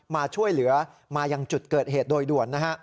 มาช่วยเหลือมายังจุดเกิดเหตุโดยด่วนนะฮะ